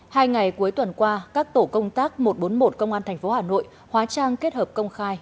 hai ngày cuối tuần qua các tổ công tác một trăm bốn mươi một công an tp hà nội hóa trang kết hợp công khai